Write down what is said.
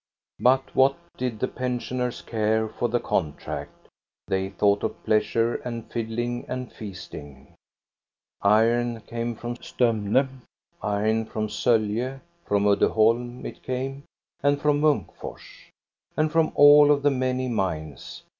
But what did the pensioners care for the contract? They thought of pleasure and fiddling and feasting. Iron came from Stomne, iron from Solje. From Uddeholm it came, and from Munkfors, and from all of the many mines.